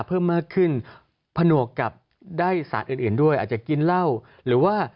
เพิ่มมากขึ้นผนวกกับได้สารอื่นอื่นด้วยอาจจะกินเหล้าหรือว่า